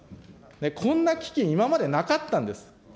こんな基金、今までなかったんです。